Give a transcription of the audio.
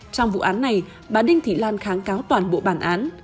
trong vụ án này bà đinh thị lan kháng cáo toàn bộ bản án